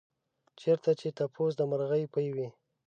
چېرته چې تپوس د مرغۍ پۍ وي.